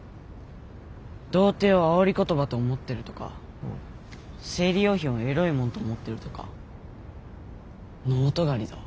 童貞をあおり言葉と思ってるとか生理用品をエロいもんと思ってるとかノー尖りだわ。